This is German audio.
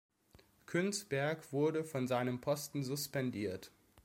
Künsberg wurde von seinem Posten suspendiert.